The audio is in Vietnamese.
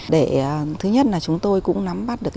để thứ nhất là chúng tôi cũng nắm bắt được